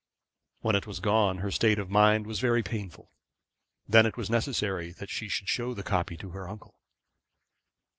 When it was gone, her state of mind was very painful. Then it was necessary that she should show the copy to her uncle.